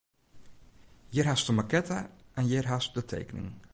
Hjir hast de makette en hjir hast de tekening.